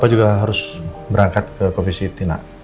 papa juga harus berangkat ke covistity nak